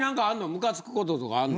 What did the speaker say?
ムカつくこととかあんの？